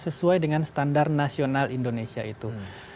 sesuai dengan standar nasional indonesia itu